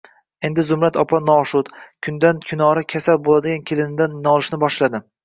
Endi Zumrad opa noshud, kunda-kunora kasal bo`ladigan kelinidan nolishni boshladi